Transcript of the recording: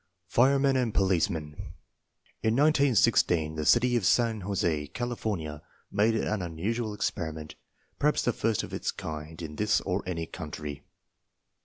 Firemen and policemen. In 1916 the city of San Jos6, California, made an unusual experiment, per haps the first of its kind in this or any country.